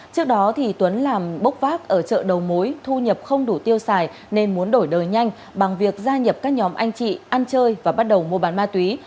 trước đó tuấn làm bốc vác ở chợ đầu mối thu nhập không đủ tiêu xài nên muốn đổi đời nhanh bằng việc gia nhập các nhóm anh chị ăn chơi và bắt đầu mua bán ma túy